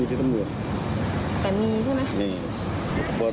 มีพี่ตำรวจ